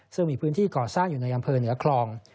ซึ่งมีพื้นที่ก่อสร้างอยู่ในอำเภอเหนือคลอง